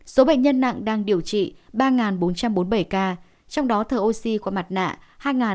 số bệnh nhân nặng đang điều trị ba bốn trăm bốn mươi bảy ca trong đó thở oxy có mặt nạ hai tám trăm sáu mươi tám ca